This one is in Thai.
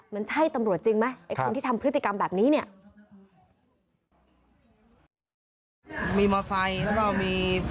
มันใช่ตำรวจจริงไหมไอ้คนที่ทำพฤติกรรมแบบนี้เนี่ย